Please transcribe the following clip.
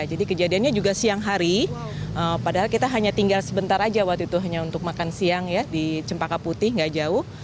jadi kejadiannya juga siang hari padahal kita hanya tinggal sebentar aja waktu itu hanya untuk makan siang ya di cempaka putih gak jauh